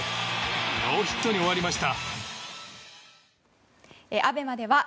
ノーヒットに終わりました。